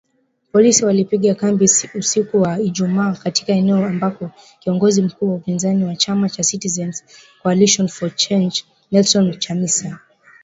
Polisi walipiga kambi usiku wa Ijumaa katika eneo ambako kiongozi mkuu wa upinzani wa chama cha Citizens’ Coalition for Change, Nelson Chamisa